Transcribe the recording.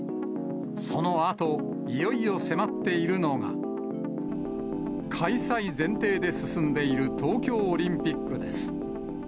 そのあと、いよいよ迫っているのが、開催前提で進んでいる東京オリンピックです。